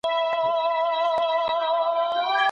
د نجونو لیلیه سمدستي نه لغوه کیږي.